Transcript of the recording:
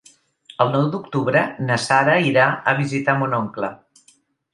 El nou d'octubre na Sara irà a visitar mon oncle.